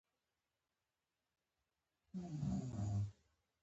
کچالو سره چټني خوند کوي